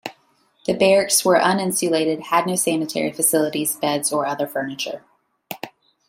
The barracks were uninsulated, had no sanitary facilities, beds, or other furniture.